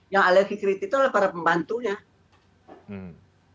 yang alergi kritik itu adalah para pembantunya